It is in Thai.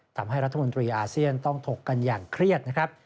ทำให้รัฐมนตรีอาเซียนต้องถกกันอย่างเครียดนะครับ